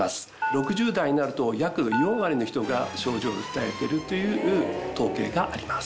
６０代になると約４割の人が症状を訴えてるという統計があります。